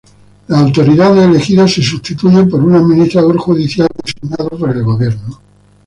Las autoridades elegidas se sustituyen por un administrador judicial designado por el Gobierno.